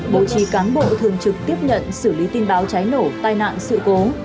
bố trí cán bộ thường trực tiếp nhận xử lý tin báo cháy nổ tài nạn sự cố